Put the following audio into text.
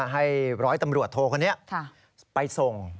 ให้ร้อยตำรวจโทคนนี้ไปส่ง